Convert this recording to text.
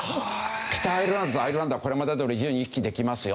北アイルランドアイルランドはこれまでどおり自由に行き来できますよ。